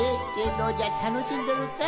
どうじゃたのしんどるか？